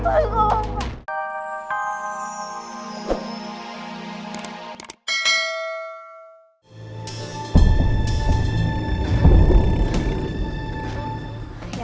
hei diam dekat